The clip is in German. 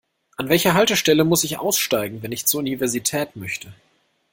An welcher Haltestelle muss ich aussteigen, wenn ich zur Universität möchte?